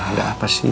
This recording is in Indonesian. nah ada apa sih